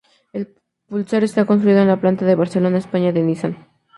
El Pulsar está construido en la planta de Barcelona, España de Nissan.